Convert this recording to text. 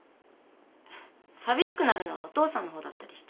寂しくなるのはお父さんのほうだったりして。